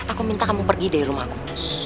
aku minta kamu pergi dari rumah aku